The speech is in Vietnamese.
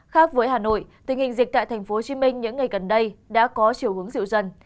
khác với hà nội tình hình dịch tại tp hcm những ngày gần đây đã có chiều hướng dịu dần